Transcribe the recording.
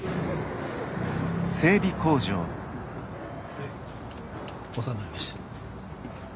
はいお世話になりました。